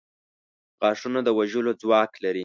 • غاښونه د ژولو ځواک لري.